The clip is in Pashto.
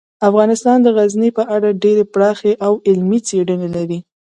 افغانستان د غزني په اړه ډیرې پراخې او علمي څېړنې لري.